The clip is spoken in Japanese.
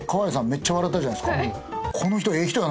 めっちゃ笑ったじゃないですか。